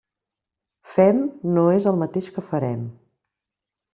Fem, no és el mateix que farem.